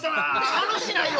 楽しないわ！